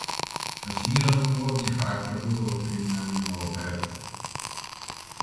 На всемирном уровне характер вызовов временами иного порядка.